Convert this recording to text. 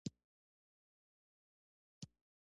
تور کود د ریښو لپاره دی.